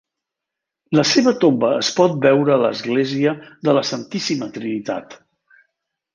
La seva tomba es pot veure a l'església de la Santíssima Trinitat.